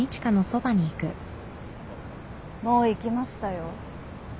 もう行きましたよ。